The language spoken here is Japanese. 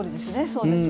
そうです。